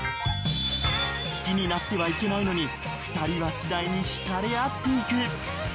好きになってはいけないのに２人はしだいに惹かれ合っていく。